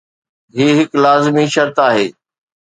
هي هڪ لازمي شرط آهي.